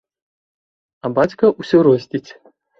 А бацька ўсё росціць.